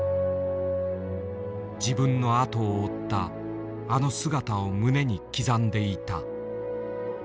自分の後を追ったあの姿を胸に刻んでいた。